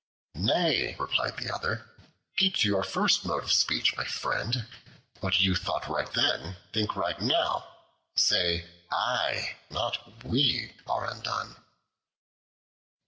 "Nay," replied the other, "keep to your first mode of speech, my friend; what you thought right then, think right now. Say 'I,' not 'We' are undone."